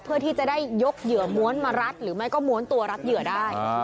เพื่อที่จะได้ยกเหยื่อม้วนมารัดหรือไม่ก็ม้วนตัวรับเหยื่อได้